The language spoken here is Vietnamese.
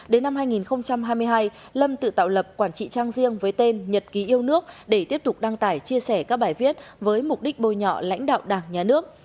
đến năm hai nghìn hai mươi hai lâm tự tạo lập quản trị trang riêng với tên nhật ký yêu nước để tiếp tục đăng tải chia sẻ các bài viết với mục đích bôi nhọ lãnh đạo đảng nhà nước